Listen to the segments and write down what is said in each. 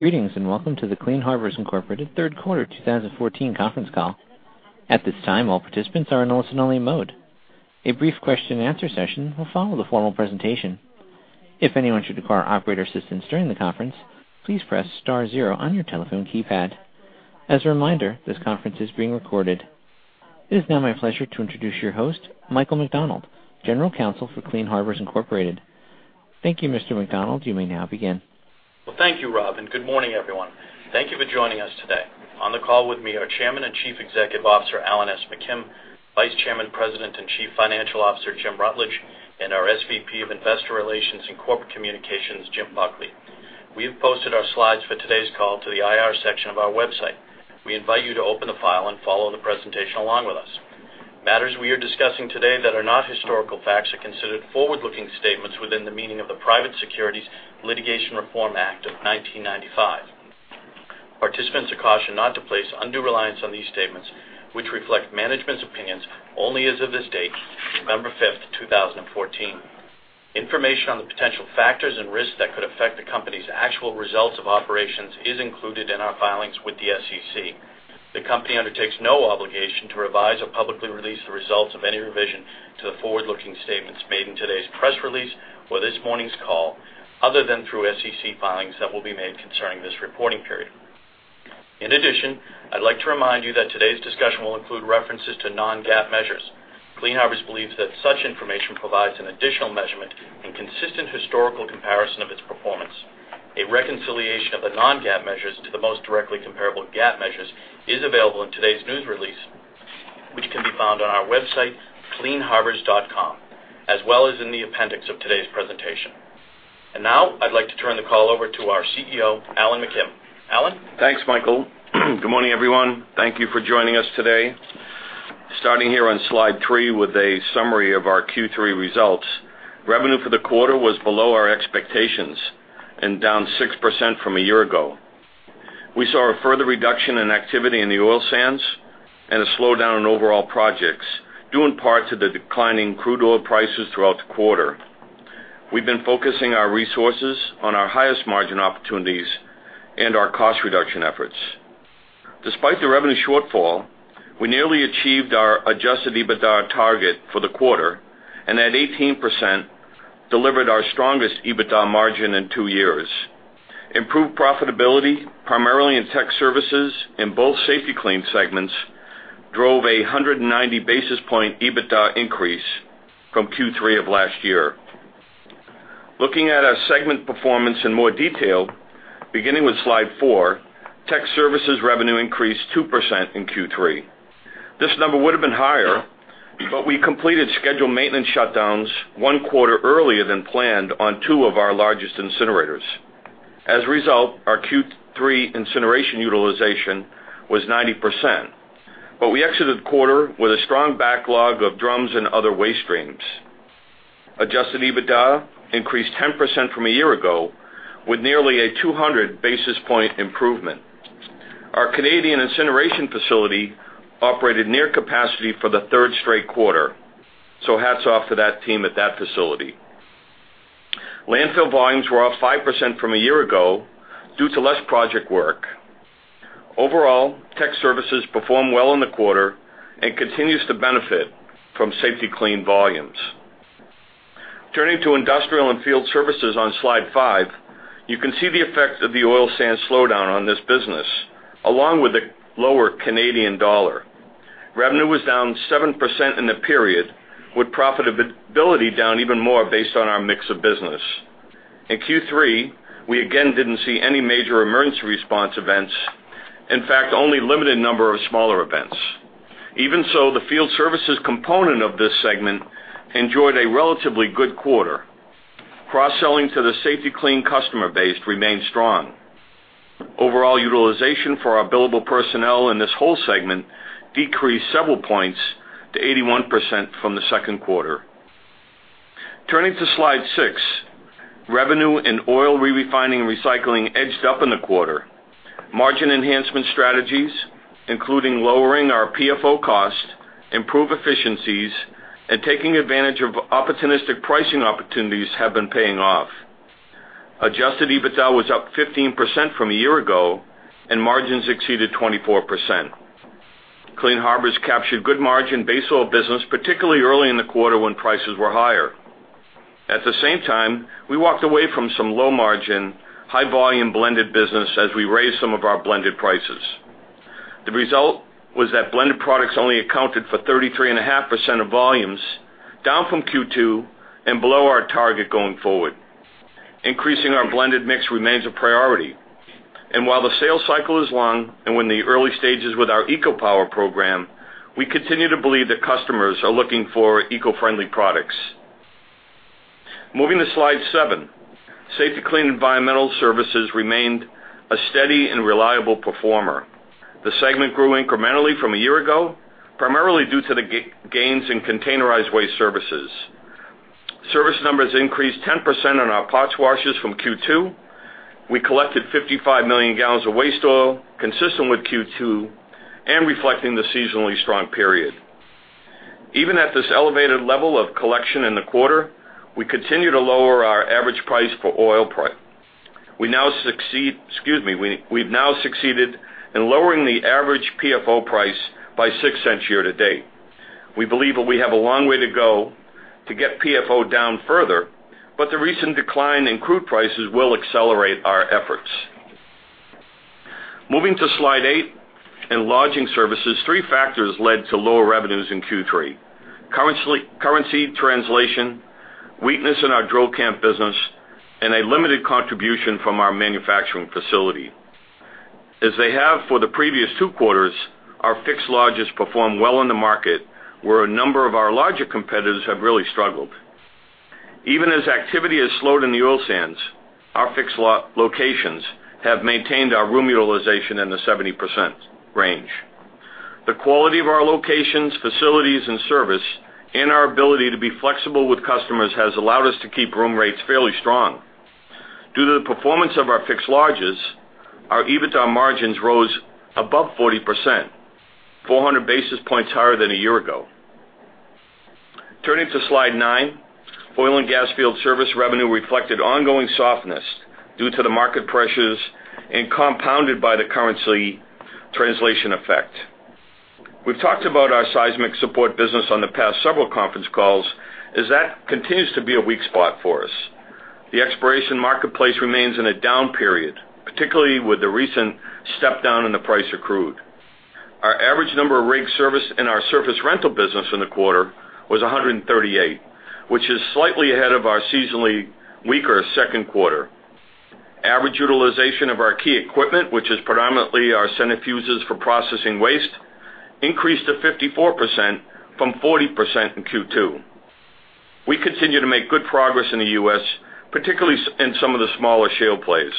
Greetings and welcome to the Clean Harbors, Inc. third quarter 2014 conference call. At this time, all participants are in listen-only mode. A brief question-and-answer session will follow the formal presentation. If anyone should require operator assistance during the conference, please press star zero on your telephone keypad. As a reminder, this conference is being recorded. It is now my pleasure to introduce your host, Michael McDonald, General Counsel for Clean Harbors, Inc. Thank you, Mr. McDonald. You may now begin. Well, thank you, Rob, and good morning, everyone. Thank you for joining us today. On the call with me are Chairman and Chief Executive Officer Alan S. McKim, Vice Chairman, President, and Chief Financial Officer Jim Rutledge, and our SVP of Investor Relations and Corporate Communications, Jim Buckley. We have posted our slides for today's call to the IR section of our website. We invite you to open the file and follow the presentation along with us. Matters we are discussing today that are not historical facts are considered forward-looking statements within the meaning of the Private Securities Litigation Reform Act of 1995. Participants are cautioned not to place undue reliance on these statements, which reflect management's opinions only as of this date, November 5th, 2014. Information on the potential factors and risks that could affect the company's actual results of operations is included in our filings with the SEC. The company undertakes no obligation to revise or publicly release the results of any revision to the forward-looking statements made in today's press release or this morning's call, other than through SEC filings that will be made concerning this reporting period. In addition, I'd like to remind you that today's discussion will include references to non-GAAP measures. Clean Harbors believes that such information provides an additional measurement and consistent historical comparison of its performance. A reconciliation of the non-GAAP measures to the most directly comparable GAAP measures is available in today's news release, which can be found on our website, cleanharbors.com, as well as in the appendix of today's presentation. And now, I'd like to turn the call over to our CEO, Alan McKim. Alan. Thanks, Michael. Good morning, everyone. Thank you for joining us today. Starting here on slide three with a summary of our Q3 results, revenue for the quarter was below our expectations and down 6% from a year ago. We saw a further reduction in activity in the oil sands and a slowdown in overall projects, due in part to the declining crude oil prices throughout the quarter. We've been focusing our resources on our highest margin opportunities and our cost reduction efforts. Despite the revenue shortfall, we nearly achieved our adjusted EBITDA target for the quarter and at 18% delivered our strongest EBITDA margin in two years. Improved profitability, primarily in tech services in both Safety-Kleen segments, drove a 190 basis point EBITDA increase from Q3 of last year. Looking at our segment performance in more detail, beginning with slide four, tech services revenue increased 2% in Q3. This number would have been higher, but we completed scheduled maintenance shutdowns 1 quarter earlier than planned on two of our largest incinerators. As a result, our Q3 incineration utilization was 90%. But we exited the quarter with a strong backlog of drums and other waste streams. Adjusted EBITDA increased 10% from a year ago with nearly a 200 basis point improvement. Our Canadian incineration facility operated near capacity for the third straight quarter, so hats off to that team at that facility. Landfill volumes were up 5% from a year ago due to less project work. Overall, tech services performed well in the quarter and continues to benefit from Safety-Kleen volumes. Turning to industrial and field services on slide five, you can see the effect of the oil sands slowdown on this business, along with the lower Canadian dollar. Revenue was down 7% in the period, with profitability down even more based on our mix of business. In Q3, we again didn't see any major emergency response events, in fact, only a limited number of smaller events. Even so, the field services component of this segment enjoyed a relatively good quarter. Cross-selling to the Safety-Kleen customer base remained strong. Overall utilization for our billable personnel in this whole segment decreased several points to 81% from the second quarter. Turning to slide six, revenue in oil re-refining and recycling edged up in the quarter. Margin enhancement strategies, including lowering our PFO cost, improved efficiencies, and taking advantage of opportunistic pricing opportunities have been paying off. Adjusted EBITDA was up 15% from a year ago, and margins exceeded 24%. Clean Harbors captured good margin base of business, particularly early in the quarter when prices were higher. At the same time, we walked away from some low margin, high volume blended business as we raised some of our blended prices. The result was that blended products only accounted for 33.5% of volumes, down from Q2 and below our target going forward. Increasing our blended mix remains a priority. And while the sales cycle is long and we're in the early stages with our EcoPower program, we continue to believe that customers are looking for eco-friendly products. Moving to slide seven, Safety-Kleen environmental services remained a steady and reliable performer. The segment grew incrementally from a year ago, primarily due to the gains in containerized waste services. Service numbers increased 10% on our parts washers from Q2. We collected 55 million gallons of waste oil, consistent with Q2 and reflecting the seasonally strong period. Even at this elevated level of collection in the quarter, we continue to lower our average price for oil. We now succeed, excuse me, we've now succeeded in lowering the average PFO price by $0.06 year to date. We believe that we have a long way to go to get PFO down further, but the recent decline in crude prices will accelerate our efforts. Moving to slide 8, environmental services, three factors led to lower revenues in Q3: currency translation, weakness in our drill camp business, and a limited contribution from our manufacturing facility. As they have for the previous 2 quarters, our fixed lodges performed well in the market, where a number of our larger competitors have really struggled. Even as activity has slowed in the oil sands, our fixed locations have maintained our room utilization in the 70% range. The quality of our locations, facilities, and service and our ability to be flexible with customers has allowed us to keep room rates fairly strong. Due to the performance of our fixed lodges, our EBITDA margins rose above 40%, 400 basis points higher than a year ago. Turning to slide 9, oil and gas field service revenue reflected ongoing softness due to the market pressures and compounded by the currency translation effect. We've talked about our seismic support business on the past several conference calls as that continues to be a weak spot for us. The exploration marketplace remains in a down period, particularly with the recent step down in the price of crude. Our average number of rigs serviced in our surface rental business in the quarter was 138, which is slightly ahead of our seasonally weaker second quarter. Average utilization of our key equipment, which is predominantly our centrifuges for processing waste, increased to 54% from 40% in Q2. We continue to make good progress in the U.S., particularly in some of the smaller shale plays.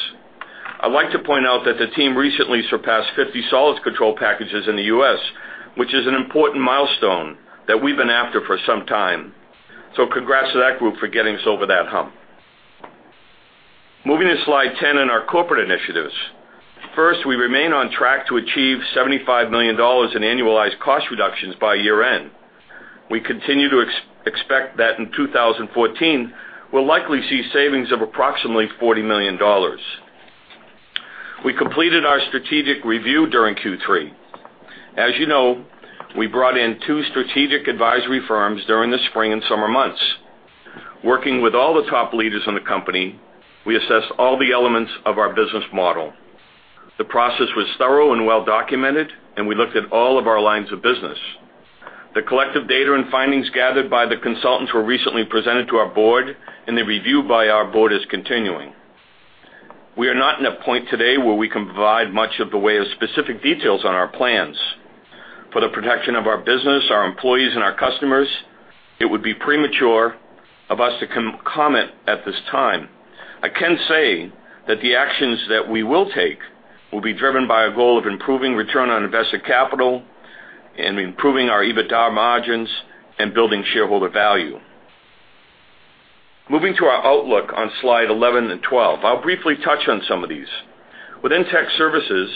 I'd like to point out that the team recently surpassed 50 solids control packages in the U.S., which is an important milestone that we've been after for some time. So congrats to that group for getting us over that hump. Moving to slide 10 in our corporate initiatives. First, we remain on track to achieve $75 million in annualized cost reductions by year-end. We continue to expect that in 2014, we'll likely see savings of approximately $40 million. We completed our strategic review during Q3. As you know, we brought in two strategic advisory firms during the spring and summer months. Working with all the top leaders in the company, we assessed all the elements of our business model. The process was thorough and well-documented, and we looked at all of our lines of business. The collective data and findings gathered by the consultants were recently presented to our board, and the review by our board is continuing. We are not in a point today where we can provide much of the way of specific details on our plans. For the protection of our business, our employees, and our customers, it would be premature of us to comment at this time. I can say that the actions that we will take will be driven by a goal of improving return on invested capital and improving our EBITDA margins and building shareholder value. Moving to our outlook on slide 11 and 12, I'll briefly touch on some of these. Within tech services,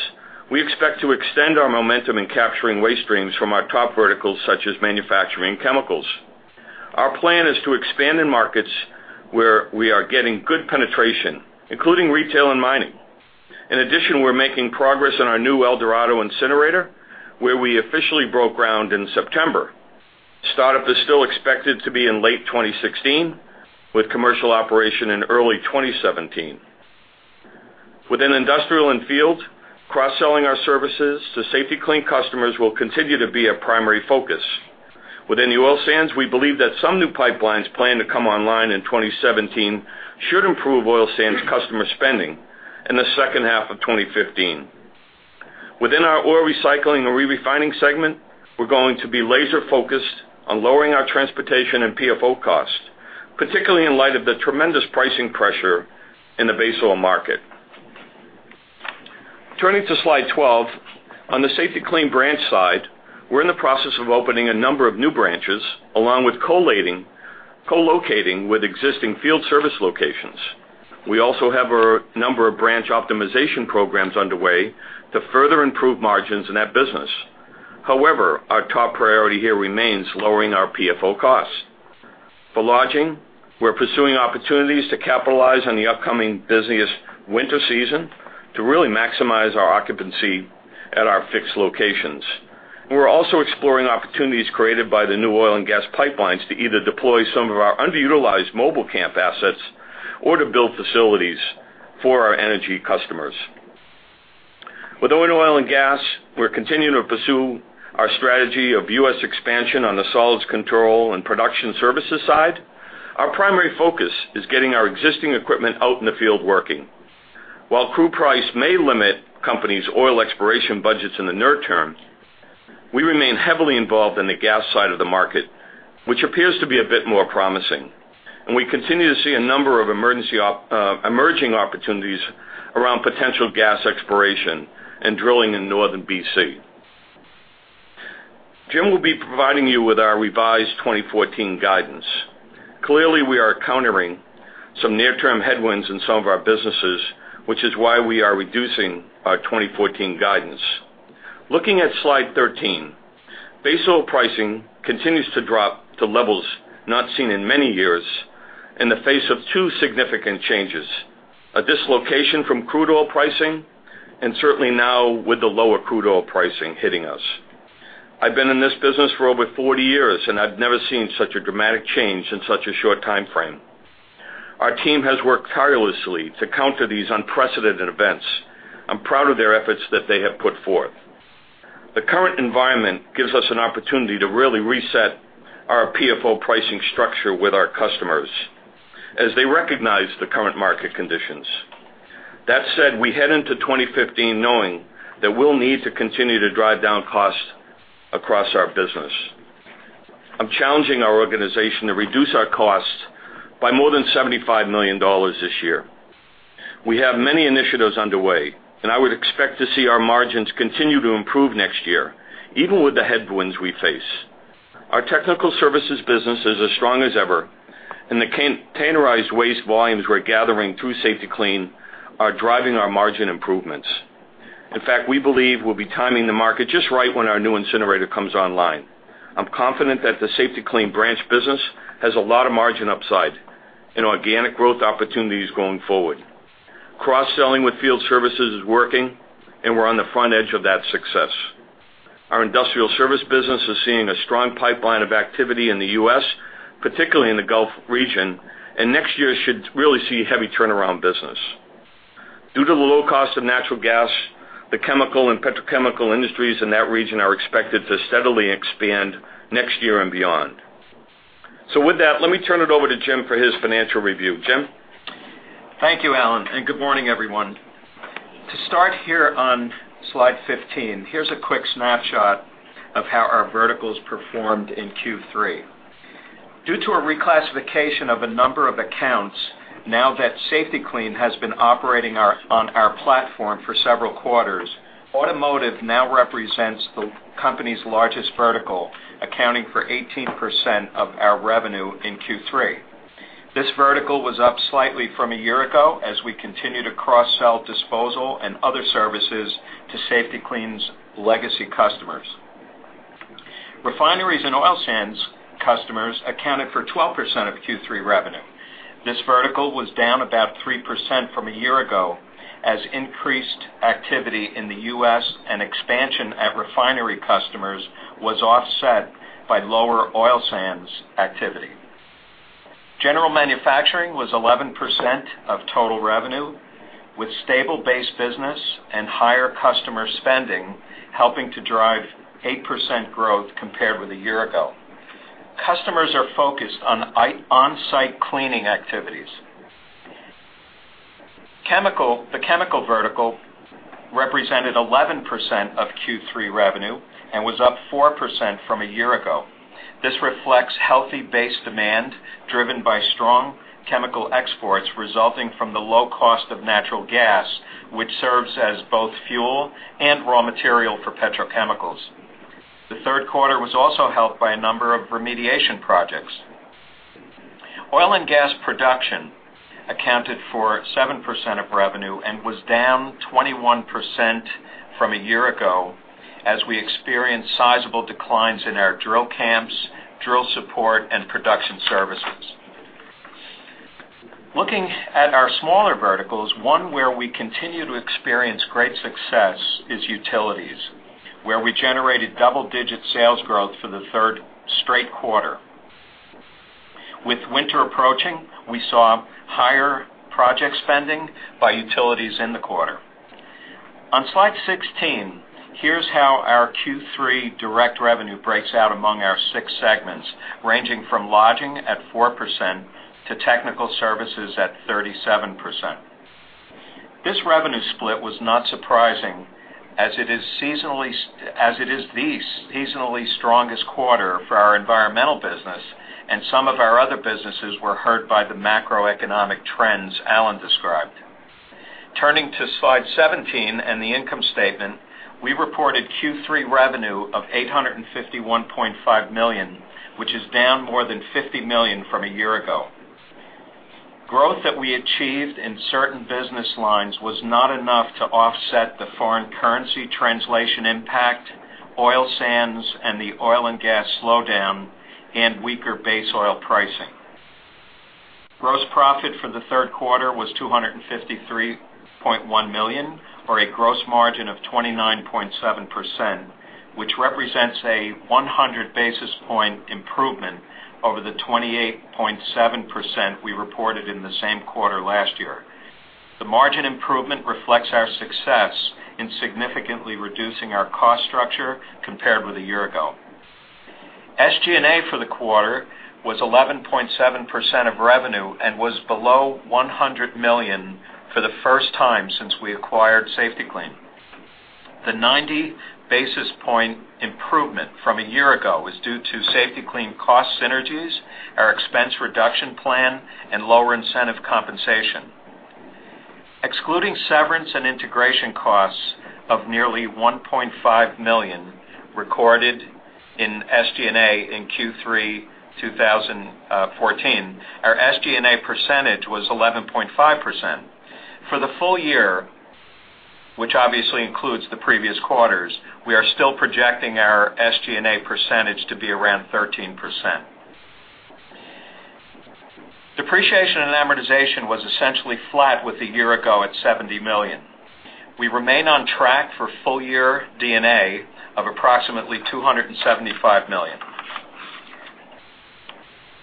we expect to extend our momentum in capturing waste streams from our top verticals such as manufacturing and chemicals. Our plan is to expand in markets where we are getting good penetration, including retail and mining. In addition, we're making progress on our new El Dorado incinerator, where we officially broke ground in September. Startup is still expected to be in late 2016, with commercial operation in early 2017. Within industrial and field, cross-selling our services to Safety-Kleen customers will continue to be a primary focus. Within the oil sands, we believe that some new pipelines planned to come online in 2017 should improve oil sands customer spending in the second half of 2015. Within our oil recycling and re-refining segment, we're going to be laser-focused on lowering our transportation and PFO costs, particularly in light of the tremendous pricing pressure in the base oil market. Turning to slide 12, on the Safety-Kleen branch side, we're in the process of opening a number of new branches along with colocating with existing field service locations. We also have a number of branch optimization programs underway to further improve margins in that business. However, our top priority here remains lowering our PFO costs. For lodging, we're pursuing opportunities to capitalize on the upcoming busiest winter season to really maximize our occupancy at our fixed locations. We're also exploring opportunities created by the new oil and gas pipelines to either deploy some of our underutilized mobile camp assets or to build facilities for our energy customers. With oil and gas, we're continuing to pursue our strategy of U.S. expansion on the solids control and production services side. Our primary focus is getting our existing equipment out in the field working. While crude price may limit companies' oil exploration budgets in the near term, we remain heavily involved in the gas side of the market, which appears to be a bit more promising. We continue to see a number of emerging opportunities around potential gas exploration and drilling in Northern BC. Jim will be providing you with our revised 2014 guidance. Clearly, we are countering some near-term headwinds in some of our businesses, which is why we are reducing our 2014 guidance. Looking at slide 13, base oil pricing continues to drop to levels not seen in many years in the face of two significant changes: a dislocation from crude oil pricing and certainly now with the lower crude oil pricing hitting us. I've been in this business for over 40 years, and I've never seen such a dramatic change in such a short time frame. Our team has worked tirelessly to counter these unprecedented events. I'm proud of their efforts that they have put forth. The current environment gives us an opportunity to really reset our PFO pricing structure with our customers as they recognize the current market conditions. That said, we head into 2015 knowing that we'll need to continue to drive down costs across our business. I'm challenging our organization to reduce our costs by more than $75 million this year. We have many initiatives underway, and I would expect to see our margins continue to improve next year, even with the headwinds we face. Our technical services business is as strong as ever, and the containerized waste volumes we're gathering through Safety-Kleen are driving our margin improvements. In fact, we believe we'll be timing the market just right when our new incinerator comes online. I'm confident that the Safety-Kleen branch business has a lot of margin upside and organic growth opportunities going forward. Cross-selling with field services is working, and we're on the front edge of that success. Our industrial service business is seeing a strong pipeline of activity in the U.S., particularly in the Gulf region, and next year should really see heavy turnaround business. Due to the low cost of natural gas, the chemical and petrochemical industries in that region are expected to steadily expand next year and beyond. So with that, let me turn it over to Jim for his financial review. Jim. Thank you, Alan, and good morning, everyone. To start here on slide 15, here's a quick snapshot of how our verticals performed in Q3. Due to a reclassification of a number of accounts, now that Safety-Kleen has been operating on our platform for several quarters, automotive now represents the company's largest vertical, accounting for 18% of our revenue in Q3. This vertical was up slightly from a year ago as we continued to cross-sell disposal and other services to Safety-Kleen's legacy customers. Refineries and oil sands customers accounted for 12% of Q3 revenue. This vertical was down about 3% from a year ago as increased activity in the U.S. and expansion at refinery customers was offset by lower oil sands activity. General manufacturing was 11% of total revenue, with stable base business and higher customer spending helping to drive 8% growth compared with a year ago. Customers are focused on on-site cleaning activities. The chemical vertical represented 11% of Q3 revenue and was up 4% from a year ago. This reflects healthy base demand driven by strong chemical exports resulting from the low cost of natural gas, which serves as both fuel and raw material for petrochemicals. The third quarter was also helped by a number of remediation projects. Oil and gas production accounted for 7% of revenue and was down 21% from a year ago as we experienced sizable declines in our drill camps, drill support, and production services. Looking at our smaller verticals, one where we continue to experience great success is utilities, where we generated double-digit sales growth for the third straight quarter. With winter approaching, we saw higher project spending by utilities in the quarter. On slide 16, here's how our Q3 direct revenue breaks out among our six segments, ranging from lodging at 4%-37%. This revenue split was not surprising as it is the seasonally strongest quarter for our environmental business, and some of our other businesses were hurt by the macroeconomic trends Alan described. Turning to slide 17 and the income statement, we reported Q3 revenue of $851.5 million, which is down more than $50 million from a year ago. Growth that we achieved in certain business lines was not enough to offset the foreign currency translation impact, oil sands, and the oil and gas slowdown, and weaker base oil pricing. Gross profit for the third quarter was $253.1 million, or a gross margin of 29.7%, which represents a 100 basis point improvement over the 28.7% we reported in the same quarter last year. The margin improvement reflects our success in significantly reducing our cost structure compared with a year ago. SG&A for the quarter was 11.7% of revenue and was below $100 million for the first time since we acquired Safety-Kleen. The 90 basis point improvement from a year ago is due to Safety-Kleen cost synergies, our expense reduction plan, and lower incentive compensation. Excluding severance and integration costs of nearly $1.5 million recorded in SG&A in Q3 2014, our SG&A percentage was 11.5%. For the full year, which obviously includes the previous quarters, we are still projecting our SG&A percentage to be around 13%. Depreciation and amortization was essentially flat with a year ago at $70 million. We remain on track for full-year D&A of approximately $275 million.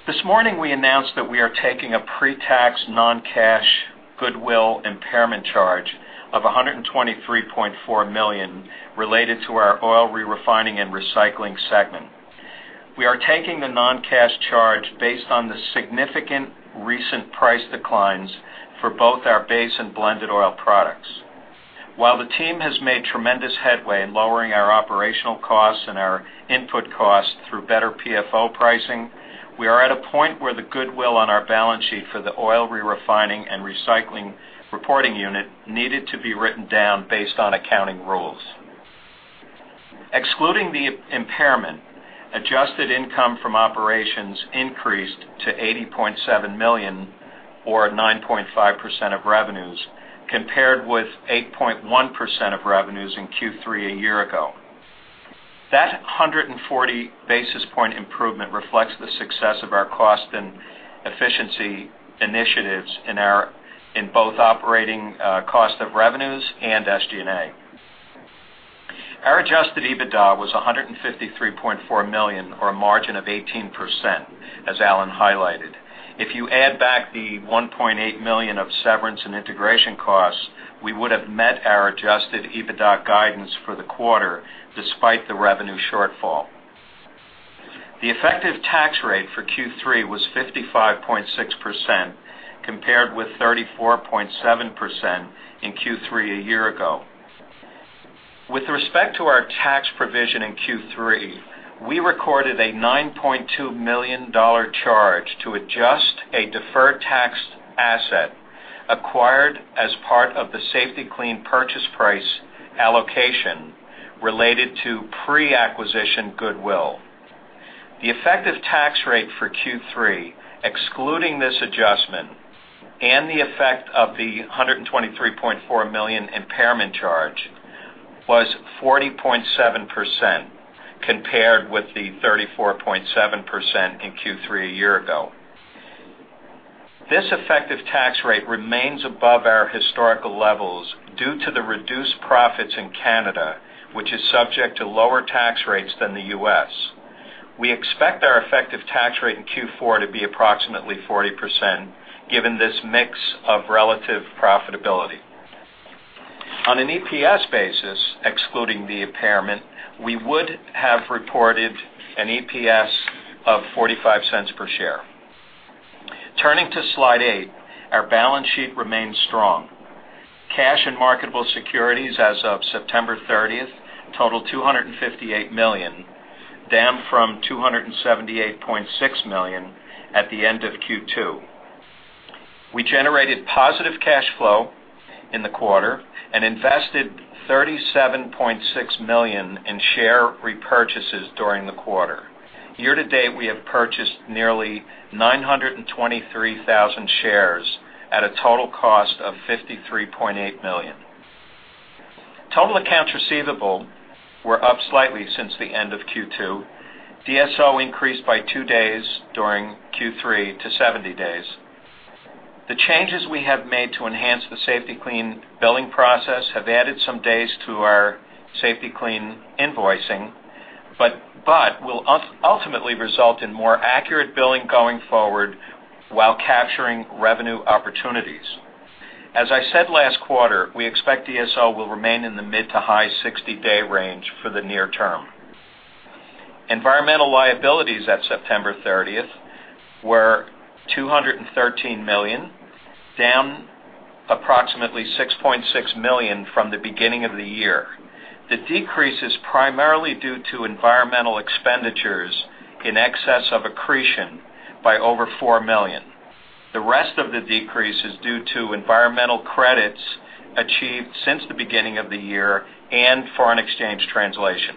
This morning, we announced that we are taking a pre-tax non-cash goodwill impairment charge of $123.4 million related to our oil re-refining and recycling segment. We are taking the non-cash charge based on the significant recent price declines for both our base and blended oil products. While the team has made tremendous headway in lowering our operational costs and our input costs through better PFO pricing, we are at a point where the goodwill on our balance sheet for the oil re-refining and recycling reporting unit needed to be written down based on accounting rules. Excluding the impairment, adjusted income from operations increased to $80.7 million, or 9.5% of revenues, compared with 8.1% of revenues in Q3 a year ago. That 140 basis point improvement reflects the success of our cost and efficiency initiatives in both operating cost of revenues and SG&A. Our adjusted EBITDA was $153.4 million, or a margin of 18%, as Alan highlighted. If you add back the $1.8 million of severance and integration costs, we would have met our adjusted EBITDA guidance for the quarter despite the revenue shortfall. The effective tax rate for Q3 was 55.6% compared with 34.7% in Q3 a year ago. With respect to our tax provision in Q3, we recorded a $9.2 million charge to adjust a deferred tax asset acquired as part of the Safety-Kleen purchase price allocation related to pre-acquisition goodwill. The effective tax rate for Q3, excluding this adjustment and the effect of the $123.4 million impairment charge, was 40.7% compared with the 34.7% in Q3 a year ago. This effective tax rate remains above our historical levels due to the reduced profits in Canada, which is subject to lower tax rates than the U.S. We expect our effective tax rate in Q4 to be approximately 40% given this mix of relative profitability. On an EPS basis, excluding the impairment, we would have reported an EPS of $0.45 per share. Turning to slide 8, our balance sheet remains strong. Cash and marketable securities as of September 30th total $258 million, down from $278.6 million at the end of Q2. We generated positive cash flow in the quarter and invested $37.6 million in share repurchases during the quarter. Year to date, we have purchased nearly 923,000 shares at a total cost of $53.8 million. Total accounts receivable were up slightly since the end of Q2. DSO increased by two days during Q3 to 70 days. The changes we have made to enhance the Safety-Kleen billing process have added some days to our Safety-Kleen invoicing, but will ultimately result in more accurate billing going forward while capturing revenue opportunities. As I said last quarter, we expect DSO will remain in the mid to high 60-day range for the near term. Environmental liabilities at September 30th were $213 million, down approximately $6.6 million from the beginning of the year. The decrease is primarily due to environmental expenditures in excess of accretion by over $4 million. The rest of the decrease is due to environmental credits achieved since the beginning of the year and foreign exchange translation.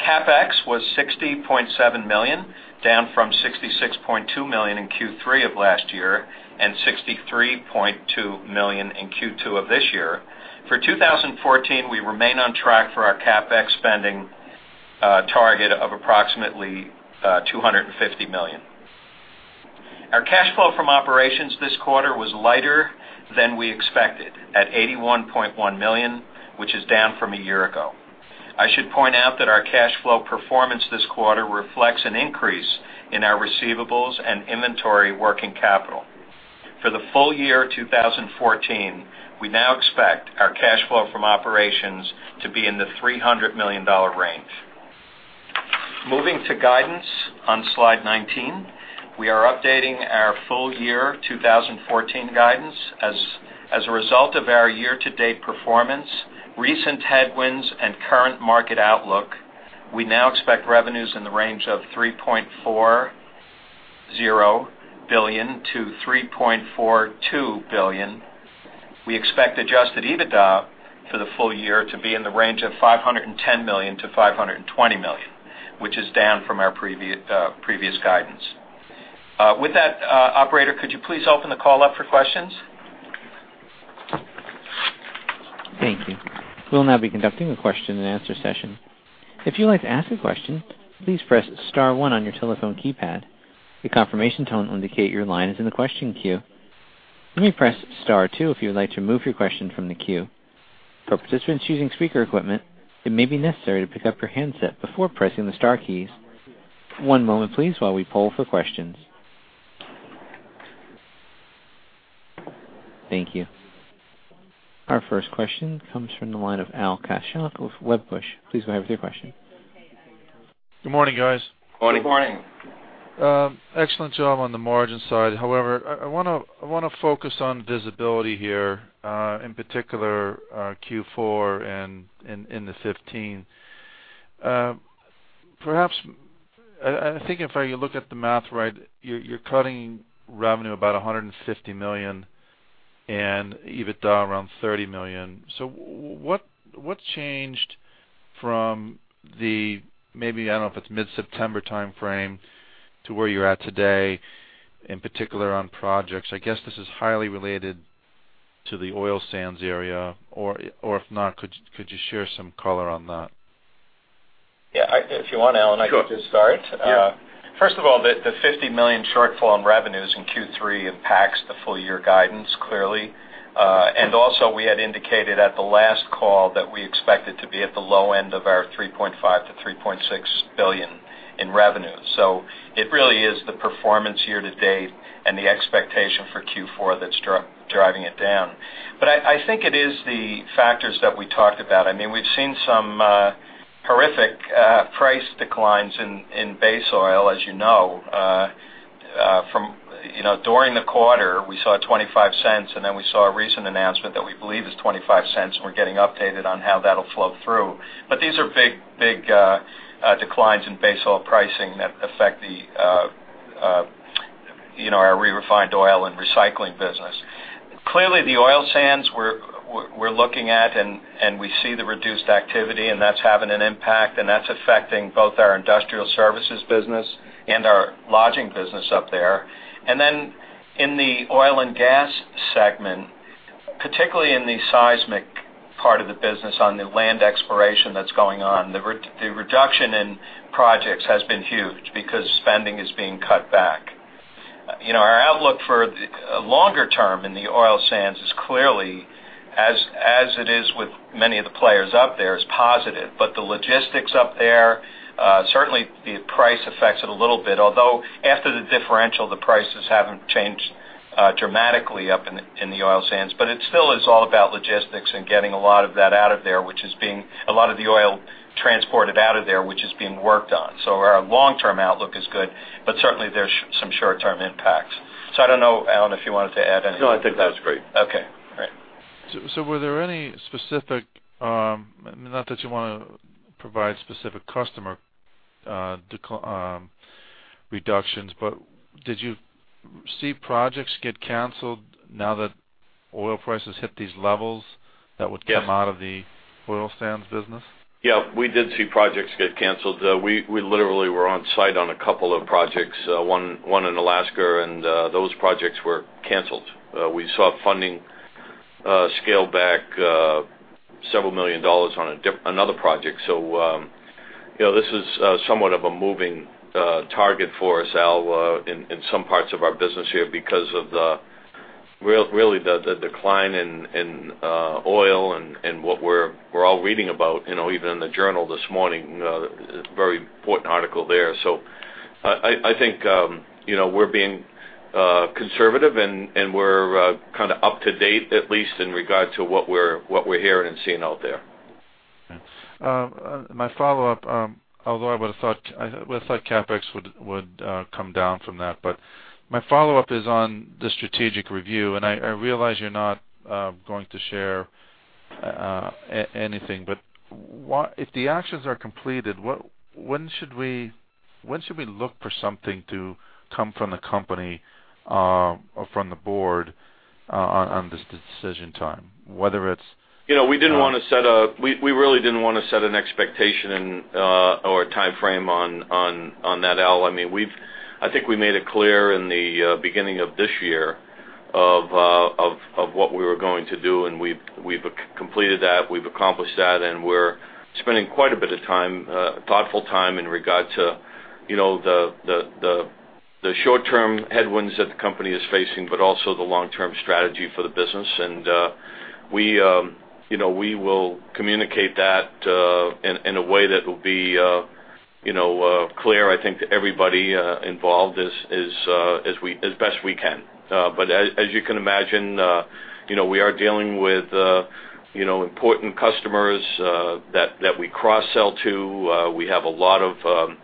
CapEx was $60.7 million, down from $66.2 million in Q3 of last year and $63.2 million in Q2 of this year. For 2014, we remain on track for our CapEx spending target of approximately $250 million. Our cash flow from operations this quarter was lighter than we expected at $81.1 million, which is down from a year ago. I should point out that our cash flow performance this quarter reflects an increase in our receivables and inventory working capital. For the full year 2014, we now expect our cash flow from operations to be in the $300 million range. Moving to guidance on slide 19, we are updating our full year 2014 guidance. As a result of our year-to-date performance, recent headwinds, and current market outlook, we now expect revenues in the range of $3.40 billion-$3.42 billion. We expect adjusted EBITDA for the full year to be in the range of $510 million-$520 million, which is down from our previous guidance. With that, Operator, could you please open the call up for questions? Thank you. We'll now be conducting a question-and-answer session. If you'd like to ask a question, please press star 1 on your telephone keypad. A confirmation tone will indicate your line is in the question queue. You may press star 2 if you'd like to remove your question from the queue. For participants using speaker equipment, it may be necessary to pick up your handset before pressing the star keys. One moment, please, while we poll for questions. Thank you. Our first question comes from the line of Al Kaschalk with Wedbush. Please go ahead with your question. Good morning, guys. Good morning. Good morning. Excellent job on the margin side. However, I want to focus on visibility here, in particular Q4 and in 2015. Perhaps I think if you look at the math right, you're cutting revenue about $150 million and EBITDA around $30 million. So what changed from the maybe I don't know if it's mid-September timeframe to where you're at today, in particular on projects? I guess this is highly related to the oil sands area. Or if not, could you share some color on that? Yeah. If you want, Alan, I can just start. Sure. First of all, the $50 million shortfall in revenues in Q3 impacts the full-year guidance clearly. And also, we had indicated at the last call that we expected to be at the low end of our $3.5 billion-$3.6 billion in revenue. So it really is the performance year-to-date and the expectation for Q4 that's driving it down. But I think it is the factors that we talked about. I mean, we've seen some horrific price declines in base oil, as you know. During the quarter, we saw $0.25, and then we saw a recent announcement that we believe is $0.25, and we're getting updated on how that'll flow through. But these are big declines in base oil pricing that affect our re-refined oil and recycling business. Clearly, the oil sands we're looking at, and we see the reduced activity, and that's having an impact, and that's affecting both our industrial services business and our lodging business up there. And then in the oil and gas segment, particularly in the seismic part of the business on the land exploration that's going on, the reduction in projects has been huge because spending is being cut back. Our outlook for the longer term in the oil sands is clearly, as it is with many of the players up there, positive. But the logistics up there, certainly the price affects it a little bit, although after the differential, the prices haven't changed dramatically up in the oil sands. But it still is all about logistics and getting a lot of that out of there, which is being a lot of the oil transported out of there, which is being worked on. So our long-term outlook is good, but certainly there's some short-term impacts. So I don't know, Alan, if you wanted to add anything. No, I think that was great. Okay. All right. So, were there any specifics, not that you want to provide specific customer reductions, but did you see projects get canceled now that oil prices hit these levels that would come out of the oil sands business? Yeah. We did see projects get canceled. We literally were on site on a couple of projects, one in Alaska, and those projects were canceled. We saw funding scale back several million dollars on another project. So this is somewhat of a moving target for us, Al, in some parts of our business here because of really the decline in oil and what we're all reading about, even in the journal this morning, a very important article there. So I think we're being conservative, and we're kind of up to date, at least in regard to what we're hearing and seeing out there. My follow-up, although I would have thought CapEx would come down from that, but my follow-up is on the strategic review. I realize you're not going to share anything, but if the actions are completed, when should we look for something to come from the company or from the board on this decision time, whether it's? We didn't want to set, we really didn't want to set an expectation or a timeframe on that, Al. I mean, I think we made it clear in the beginning of this year of what we were going to do, and we've completed that. We've accomplished that, and we're spending quite a bit of time, thoughtful time in regard to the short-term headwinds that the company is facing, but also the long-term strategy for the business. And we will communicate that in a way that will be clear, I think, to everybody involved as best we can. But as you can imagine, we are dealing with important customers that we cross-sell to. We have a lot of employees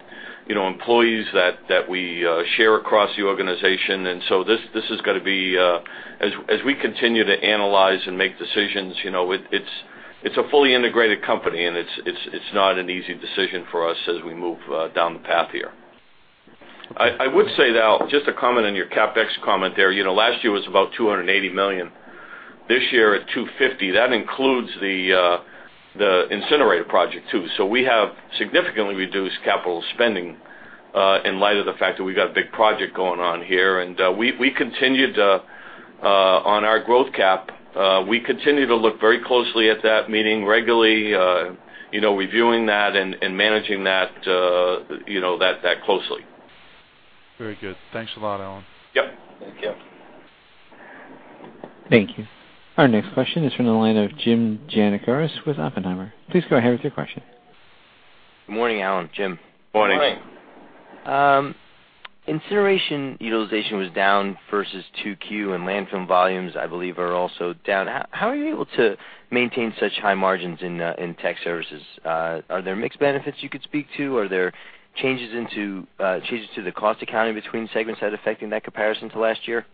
that we share across the organization. And so this is going to be as we continue to analyze and make decisions, it's a fully integrated company, and it's not an easy decision for us as we move down the path here. I would say, Al, just a comment on your CapEx comment there. Last year was about $280 million. This year at $250 million. That includes the incinerator project too. So we have significantly reduced capital spending in light of the fact that we've got a big project going on here. And we continued on our growth cap. We continue to look very closely at that, meeting regularly, reviewing that and managing that closely. Very good. Thanks a lot, Alan. Yep. Thank you. Thank you. Our next question is from the line of Jim Giannakouros with Oppenheimer. Please go ahead with your question. Good morning, Alan. Jim. Good morning. Good morning. Incineration utilization was down versus 2Q, and landfill volumes, I believe, are also down. How are you able to maintain such high margins in tech services? Are there mixed benefits you could speak to? Are there changes to the cost accounting between segments that are affecting that comparison to last year?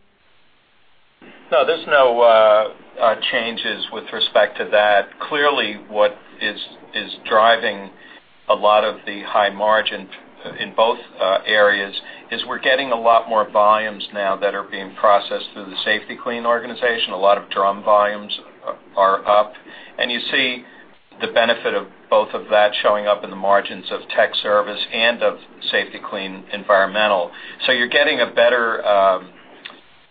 No, there's no changes with respect to that. Clearly, what is driving a lot of the high margin in both areas is we're getting a lot more volumes now that are being processed through the Safety-Kleen organization. A lot of drum volumes are up. And you see the benefit of both of that showing up in the margins of Tech Services and of Safety-Kleen Environmental. So you're getting a better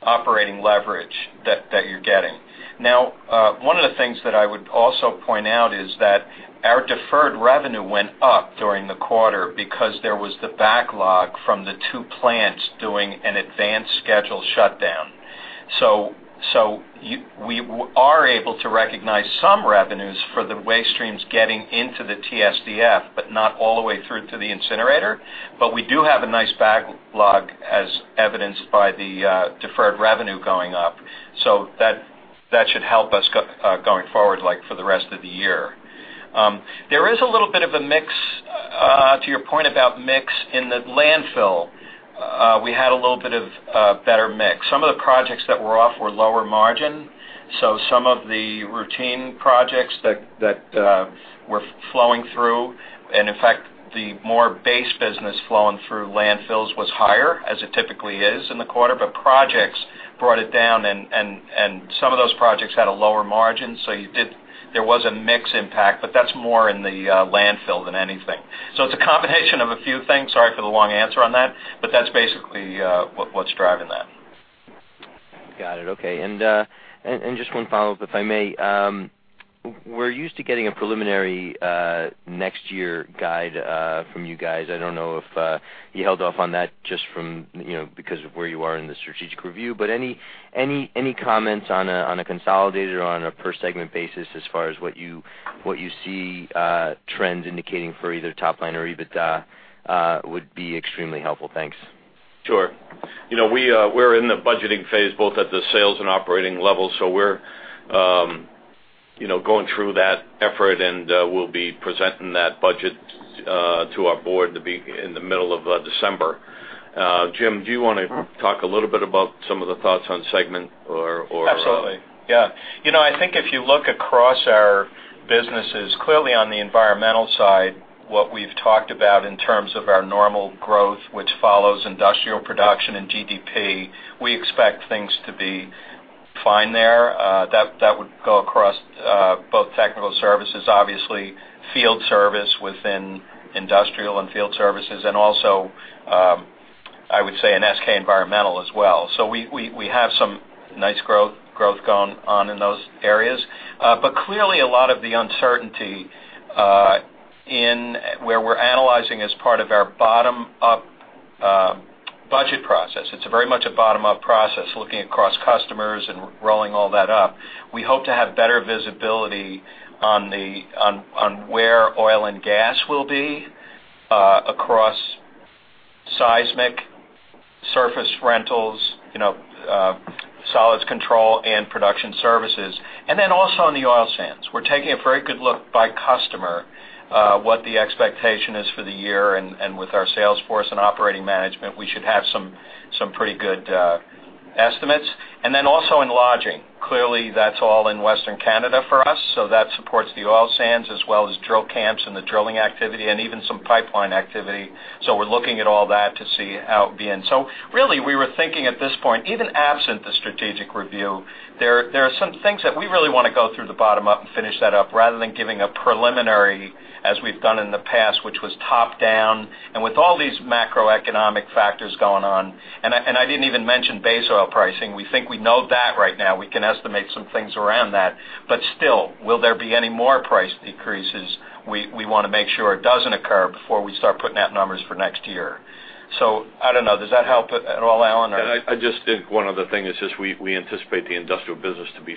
operating leverage that you're getting. Now, one of the things that I would also point out is that our deferred revenue went up during the quarter because there was the backlog from the two plants doing an advanced scheduled shutdown. So we are able to recognize some revenues for the waste streams getting into the TSDF, but not all the way through to the incinerator. But we do have a nice backlog as evidenced by the deferred revenue going up. So that should help us going forward for the rest of the year. There is a little bit of a mix, to your point about mix, in the landfill. We had a little bit of better mix. Some of the projects that were off were lower margin. So some of the routine projects that were flowing through, and in fact, the more base business flowing through landfills was higher, as it typically is in the quarter. But projects brought it down, and some of those projects had a lower margin. So there was a mixed impact, but that's more in the landfill than anything. So it's a combination of a few things. Sorry for the long answer on that, but that's basically what's driving that. Got it. Okay. And just one follow-up, if I may. We're used to getting a preliminary next-year guide from you guys. I don't know if you held off on that just because of where you are in the strategic review. But any comments on a consolidated or on a per-segment basis as far as what you see trends indicating for either top line or EBITDA would be extremely helpful. Thanks. Sure. We're in the budgeting phase both at the sales and operating level. So we're going through that effort, and we'll be presenting that budget to our board in the middle of December. Jim, do you want to talk a little bit about some of the thoughts on segment or? Absolutely. Yeah. I think if you look across our businesses, clearly on the environmental side, what we've talked about in terms of our normal growth, which follows industrial production and GDP, we expect things to be fine there. That would go across both technical services, obviously, field service within industrial and field services, and also, I would say, Safety-Kleen Environmental as well. So we have some nice growth going on in those areas. But clearly, a lot of the uncertainty in where we're analyzing as part of our bottom-up budget process, it's very much a bottom-up process looking across customers and rolling all that up. We hope to have better visibility on where oil and gas will be across seismic, surface rentals, solids control, and production services. And then also on the oil sands. We're taking a very good look by customer what the expectation is for the year. And with our sales force and operating management, we should have some pretty good estimates. And then also in lodging, clearly, that's all in Western Canada for us. So that supports the oil sands as well as drill camps and the drilling activity and even some pipeline activity. So we're looking at all that to see how it would be in. So really, we were thinking at this point, even absent the strategic review, there are some things that we really want to go through the bottom-up and finish that up rather than giving a preliminary, as we've done in the past, which was top-down. And with all these macroeconomic factors going on, and I didn't even mention Base oil pricing, we think we know that right now. We can estimate some things around that. But still, will there be any more price decreases? We want to make sure it doesn't occur before we start putting out numbers for next year. So I don't know. Does that help at all, Alan? I just think one other thing is just we anticipate the industrial business to be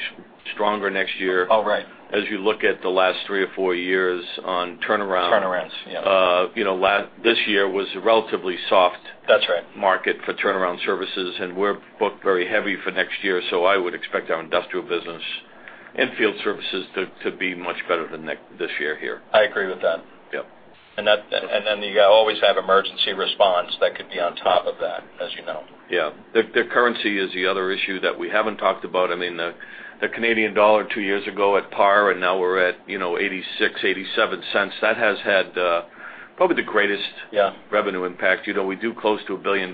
stronger next year. Oh, right. As you look at the last three or four years on turnaround. Turnarounds, yeah. This year was a relatively soft market for turnaround services, and we're booked very heavy for next year. So I would expect our industrial business and field services to be much better than this year here. I agree with that. Yep. And then you always have emergency response that could be on top of that, as you know. Yeah. The currency is the other issue that we haven't talked about. I mean, the Canadian dollar two years ago at par, and now we're at $0.86-$0.87. That has had probably the greatest revenue impact. We do close to $1 billion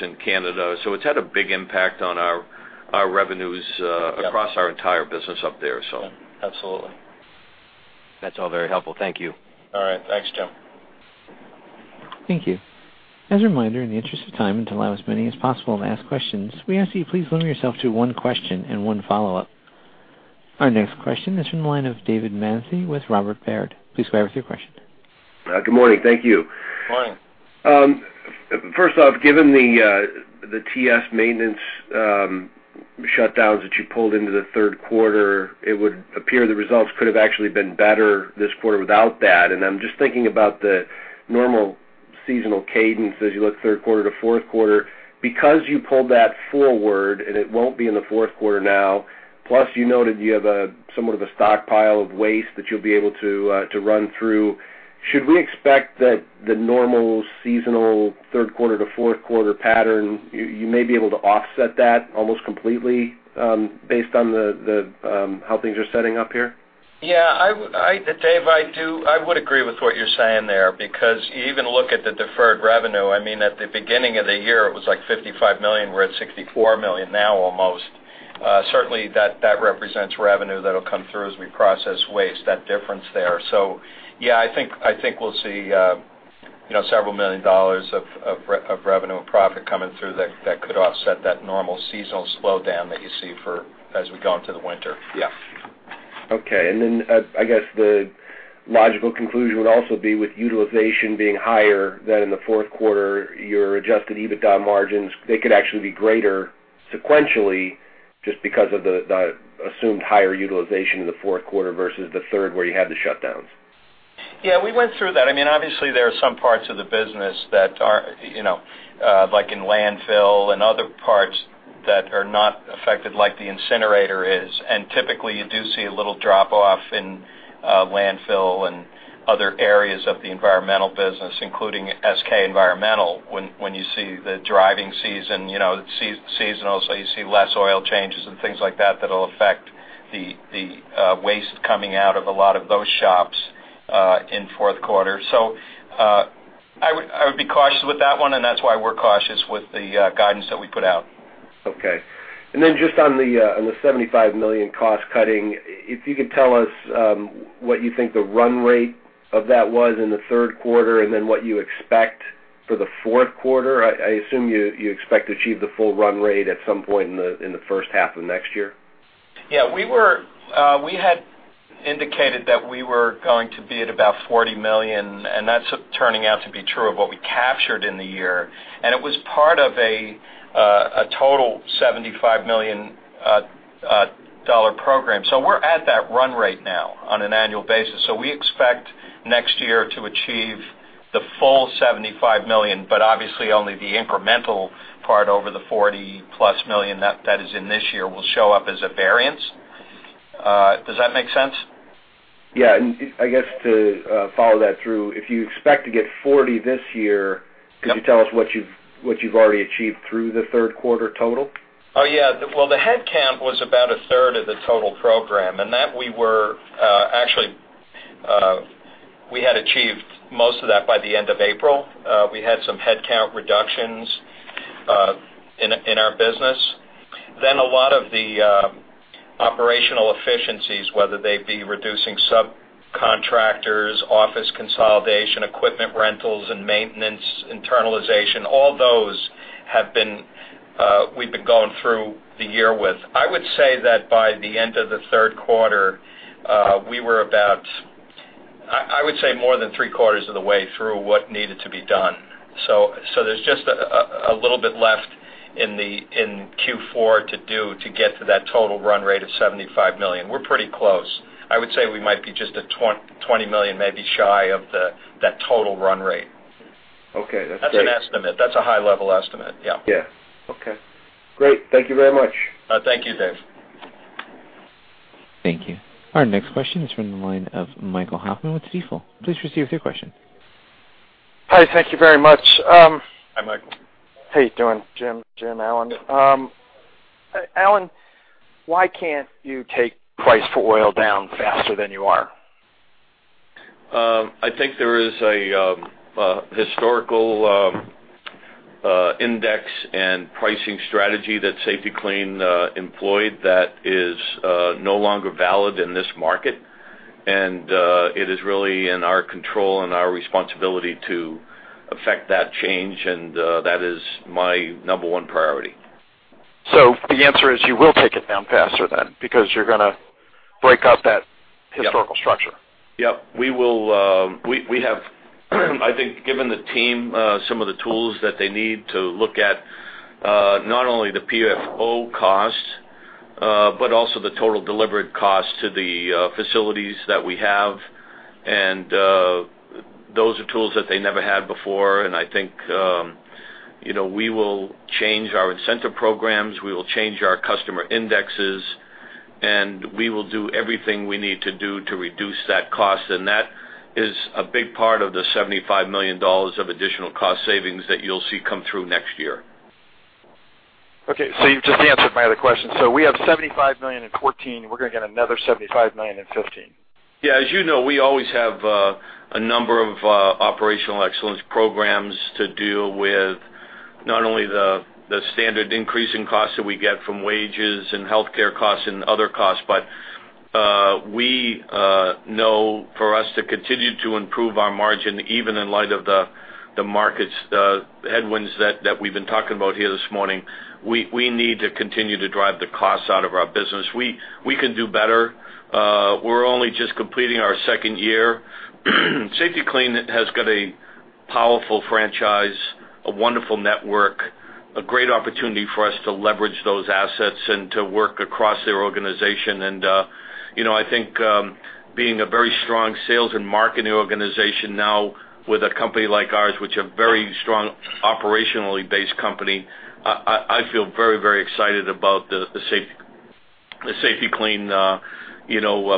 in Canada. So it's had a big impact on our revenues across our entire business up there, so. Absolutely. That's all very helpful. Thank you. All right. Thanks, Jim. Thank you. As a reminder, in the interest of time and to allow as many as possible to ask questions, we ask that you please limit yourself to one question and one follow-up. Our next question is from the line of David Manthey with Robert W. Baird. Please go ahead with your question. Good morning. Thank you. Good morning. First off, given the TS maintenance shutdowns that you pulled into the third quarter, it would appear the results could have actually been better this quarter without that. I'm just thinking about the normal seasonal cadence as you look third quarter to fourth quarter. Because you pulled that forward, and it won't be in the fourth quarter now, plus you noted you have somewhat of a stockpile of waste that you'll be able to run through, should we expect that the normal seasonal third quarter to fourth quarter pattern, you may be able to offset that almost completely based on how things are setting up here? Yeah. Dave, I would agree with what you're saying there because you even look at the deferred revenue. I mean, at the beginning of the year, it was like $55 million. We're at $64 million now, almost. Certainly, that represents revenue that'll come through as we process waste, that difference there. So yeah, I think we'll see several million dollars of revenue and profit coming through that could offset that normal seasonal slowdown that you see as we go into the winter. Yeah. Okay. And then I guess the logical conclusion would also be with utilization being higher than in the fourth quarter, your adjusted EBITDA margins, they could actually be greater sequentially just because of the assumed higher utilization in the fourth quarter versus the third where you had the shutdowns. Yeah. We went through that. I mean, obviously, there are some parts of the business that are like in landfill and other parts that are not affected like the incinerator is. And typically, you do see a little drop-off in landfill and other areas of the environmental business, including SK Environmental, when you see the driving season. Seasonally, you see less oil changes and things like that that'll affect the waste coming out of a lot of those shops in fourth quarter. So I would be cautious with that one, and that's why we're cautious with the guidance that we put out. Okay. And then just on the $75 million cost cutting, if you could tell us what you think the run rate of that was in the third quarter and then what you expect for the fourth quarter? I assume you expect to achieve the full run rate at some point in the first half of next year. Yeah. We had indicated that we were going to be at about $40 million, and that's turning out to be true of what we captured in the year. It was part of a total $75 million program. We're at that run rate now on an annual basis. We expect next year to achieve the full $75 million, but obviously, only the incremental part over the $40+ million that is in this year will show up as a variance. Does that make sense? Yeah. I guess to follow that through, if you expect to get 40 this year, could you tell us what you've already achieved through the third quarter total? Oh, yeah. Well, the headcount was about a third of the total program. And that we had achieved most of that by the end of April. We had some headcount reductions in our business. Then a lot of the operational efficiencies, whether they be reducing subcontractors, office consolidation, equipment rentals, and maintenance internalization, all those we've been going through the year with. I would say that by the end of the third quarter, we were about, I would say, more than three quarters of the way through what needed to be done. So there's just a little bit left in Q4 to do to get to that total run rate of $75 million. We're pretty close. I would say we might be just $20 million, maybe shy of that total run rate. Okay. That's great. That's an estimate. That's a high-level estimate. Yeah. Yeah. Okay. Great. Thank you very much. Thank you, Dave. Thank you. Our next question is from the line of Michael Hoffman with Stifel. Please proceed with your question. Hi. Thank you very much. Hi, Michael. How you doing, Jim? Jim, Alan. Alan, why can't you take pay for oil down faster than you are? I think there is a historical index and pricing strategy that Safety-Kleen employed that is no longer valid in this market. It is really in our control and our responsibility to affect that change. That is my number one priority. The answer is you will take it down faster than because you're going to break up that historical structure. Yep. We will. I think, given the team, some of the tools that they need to look at not only the PFO cost, but also the total delivered cost to the facilities that we have. And those are tools that they never had before. And I think we will change our incentive programs. We will change our customer indexes. And we will do everything we need to do to reduce that cost. And that is a big part of the $75 million of additional cost savings that you'll see come through next year. Okay. So you've just answered my other question. So we have $75 million in 2014. We're going to get another $75 million in 2015. Yeah. As you know, we always have a number of operational excellence programs to deal with not only the standard increasing costs that we get from wages and healthcare costs and other costs, but we know for us to continue to improve our margin even in light of the market's headwinds that we've been talking about here this morning. We need to continue to drive the cost out of our business. We can do better. We're only just completing our second year. Safety-Kleen has got a powerful franchise, a wonderful network, a great opportunity for us to leverage those assets and to work across their organization. And I think being a very strong sales and marketing organization now with a company like ours, which is a very strong operationally based company, I feel very, very excited about the Safety-Kleen